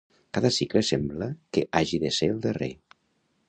Cada cicle sembla que hagi de ser el darrer.